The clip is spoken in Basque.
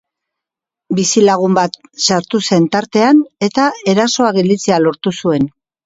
Bizilagun bat sartu zen tartean, eta erasoa gelditzea lortu zuen.